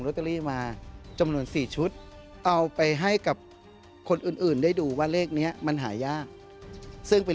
ตเตอรี่มาจำนวน๔ชุดเอาไปให้กับคนอื่นอื่นได้ดูว่าเลขนี้มันหายากซึ่งเป็น